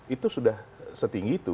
itu sudah setinggi itu